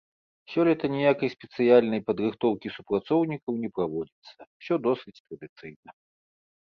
Сёлета ніякай спецыяльнай падрыхтоўкі супрацоўнікаў не праводзіцца, усё досыць традыцыйна.